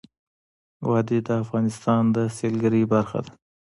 وادي د افغانستان د سیلګرۍ برخه ده.